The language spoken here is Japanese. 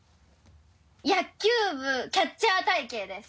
野球部キャッチャー体形です。